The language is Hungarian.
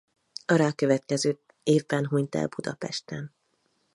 A rákövetkező évben hunyt el Budapesten.